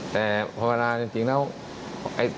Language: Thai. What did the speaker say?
แต่พอเวลาจริงแล้ว